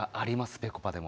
ぺこぱでも。